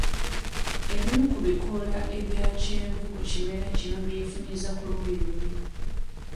Ebimu ku bikoola ebya kyenvu ku kimera kino byefunyizza ku luyi lumu.